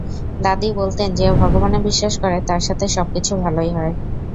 দাদী বলতেন, যে ভগবানে বিশ্বাস করে, তার সাথে সবকিছু ভালোই হয়।